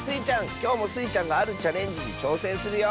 きょうもスイちゃんがあるチャレンジにちょうせんするよ。